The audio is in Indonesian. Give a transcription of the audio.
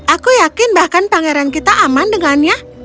aku yakin bahkan pangeran kita aman dengannya